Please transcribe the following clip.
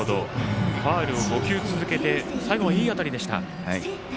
ファウルを５球続けて最後は、いい当たりでした。